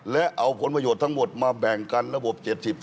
และเอาผลประโยชน์ทั้งหมดมาแบ่งกันระบบ๗๐